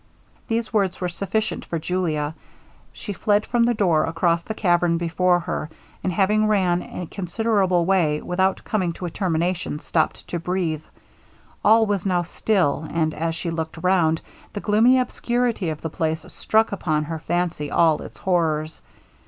These words were sufficient for Julia; she fled from the door across the cavern before her, and having ran a considerable way, without coming to a termination, stopped to breathe. All was now still, and as she looked around, the gloomy obscurity of the place struck upon her fancy all its horrors.